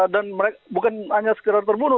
dan mereka bukan hanya sekiranya terbunuh